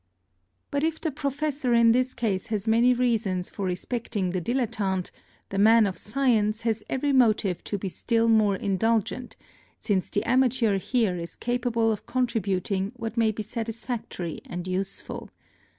But if the professor in this case has many reasons for respecting the dilettante, the man of science has every motive to be still more indulgent, since the amateur here is capable of contributing what may be satisfactory and useful.